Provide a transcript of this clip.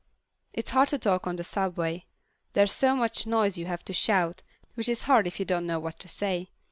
It's hard to talk on the subway. There's so much noise you have to shout, which is hard if you don't know what to say.